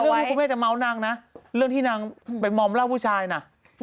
เรื่องที่พี่เมียจะเม้านั่งนะเรื่องที่นางไปมอมเล่าผู้ชายน่ะ